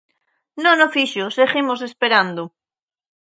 Non o fixo, seguimos esperando.